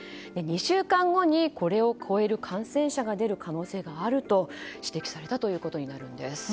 ２週間後にこれを超える感染者が出る可能性があると指摘されたということになるんです。